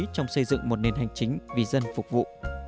trong xây dựng một nền hành chính vì dân phục vụ